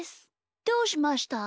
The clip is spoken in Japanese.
どうしました？